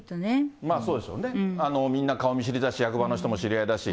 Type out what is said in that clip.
まあそうですよね、みんな顔見知りだし、役場の人も知り合いだし。